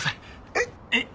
えっ？えっ？